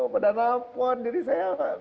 pada nelfon jadi saya